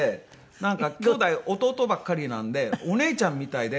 なんか姉弟弟ばっかりなのでお姉ちゃんみたいで。